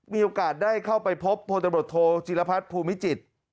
มีโอกาสได้เข้าไปพบโพธบทโทจิลพัฒน์ภูมิจิตผู้ประชาการ